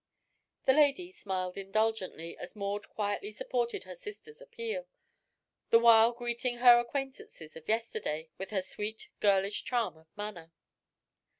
The lady smiled indulgently as Maud quietly supported her sister's appeal, the while greeting her acquaintances of yesterday with her sweet, girlish charm of manner.